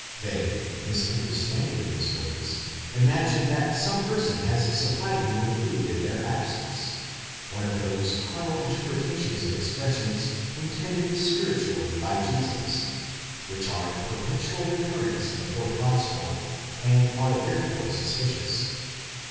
They, misunderstanding his words, imagine that some person has supplied him with food in their absence: one of those carnal interpretations of expressions intended spiritually by Jesus, which are of perpetual recurrence in the fourth gospel, and are therefore suspicious.